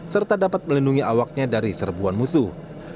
serta dapat melindungi awaknya dari serbuan musuh